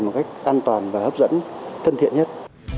một cách an toàn và hấp dẫn thân thiện nhất